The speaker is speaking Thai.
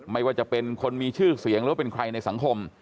ไม่ว่าจะเป็นคนมีชื่อเสียงหรือว่าเป็นใครในสังคม